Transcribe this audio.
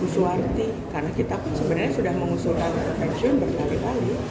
suwarti karena kita sebenarnya sudah mengusulkan pensiun bertali tali